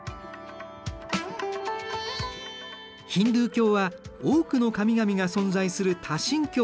ヒンドゥー教は多くの神々が存在する多神教。